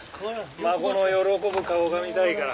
孫の喜ぶ顔が見たいから。